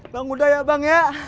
bang muda ya bang ya